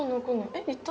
え行った？